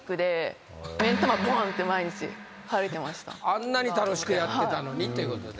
あんなに楽しくやってたのにっていうことで。